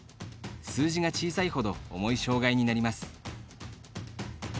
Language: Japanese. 数字が小さいほど重い障がいになります。